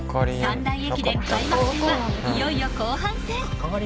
三大駅伝開幕戦はいよいよ後半戦。